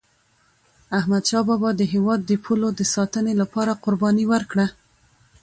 احمدشاه بابا د هیواد د پولو د ساتني لپاره قرباني ورکړه.